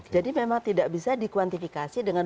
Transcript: jadi memang tidak bisa dikuantifikasi dengan